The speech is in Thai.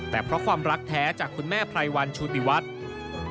แต่เพราะความรักแท้จากคุณแม่ไพรวันชุติวัฒน์